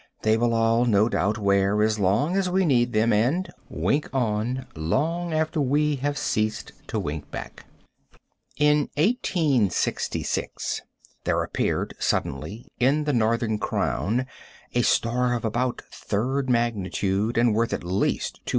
They will all no doubt wear as long as we need them, and wink on long after we have ceased to wink back. In 1866 there appeared suddenly in the northern crown a star of about the third magnitude and worth at least $250.